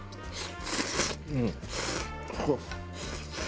うん。